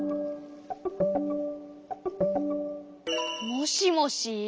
もしもし？